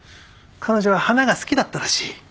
彼女は花が好きだったらしい。